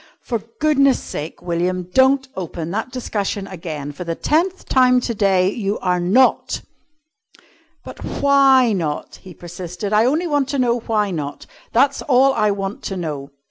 "For goodness' sake, William, don't open that discussion again. For the tenth time to day, you are not!" "But why not?" he persisted. "I only want to know why not. That's all I want to know.